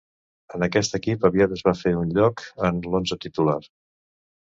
En aquest equip aviat es va fer un lloc en l'onze titular.